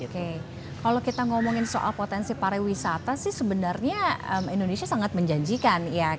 kalau kita ngomongin soal potensi para wisata sih sebenarnya indonesia sangat menjanjikan